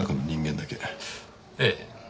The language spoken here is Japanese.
ええ。